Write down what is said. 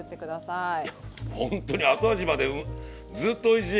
いやほんとに後味までずっとおいしい。